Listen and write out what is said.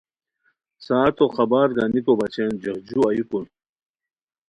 ساعتو خبر گانیکو بچین جوش جُو ایوکون